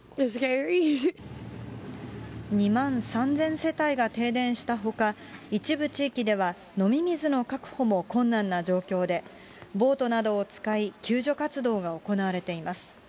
２万３０００世帯が停電したほか、一部地域では、飲み水の確保も困難な状況で、ボートなどを使い、救助活動が行われています。